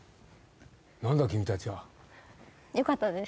何だ君たちはよかったです